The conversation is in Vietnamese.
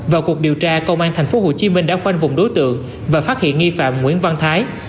vào cuộc điều tra công an tp hcm đã khoanh vùng đối tượng và phát hiện nghi phạm nguyễn văn thái